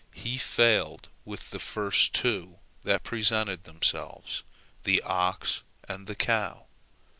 He failed with the first two that presented themselves, the ox and the cow.